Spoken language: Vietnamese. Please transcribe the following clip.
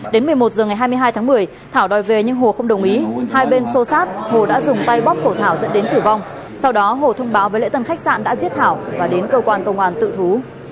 đến một mươi một h ngày hai mươi hai tháng một mươi thảo đòi về nhưng hồ không đồng ý hai bên xô sát hồ đã dùng tay bóp cổ thảo dẫn đến tử vong sau đó hồ thông báo với lễ tân khách sạn đã giết thảo và đến cơ quan công an tự thú